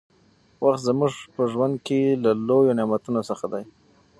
وخت زموږ په ژوند کې له لويو نعمتونو څخه دى.